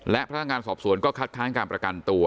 และพนักงานสอบสวนก็คัดค้างการประกันตัว